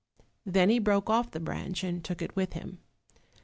Then he broke off the branch and took it with him.